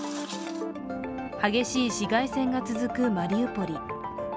激しい市街戦が続くマリウポリ。